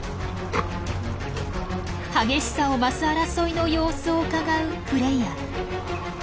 激しさを増す争いの様子をうかがうフレイヤ。